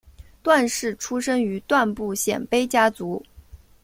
段氏出身于段部鲜卑家族。